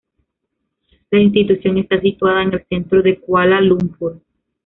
La institución está situada en el centro de Kuala Lumpur.